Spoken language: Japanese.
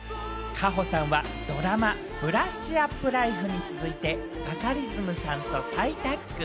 夏帆さんはドラマ『ブラッシュアップライフ』に続いて、バカリズムさんと再タッグ。